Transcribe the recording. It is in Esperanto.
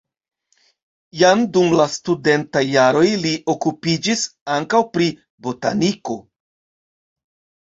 Jam dum la studentaj jaroj li okupiĝis ankaŭ pri botaniko.